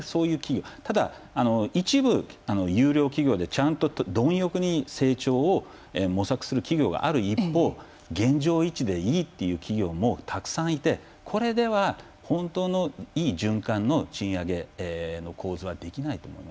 ただ一部優良企業でちゃんと貪欲に成長を模索する企業がある一方現状維持でいいっていう企業もたくさんいてこれでは本当のいい循環の賃上げの構図はできないと思いますね。